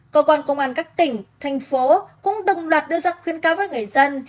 cơ quan công an các tỉnh thành phố cũng đồng loạt đưa ra khuyến cáo với người dân